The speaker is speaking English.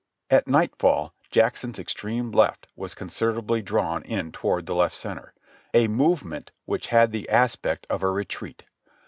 At nightfall Jackson's extreme left was considerably drawn in toward the left center, a movement which had the aspect of a retreat.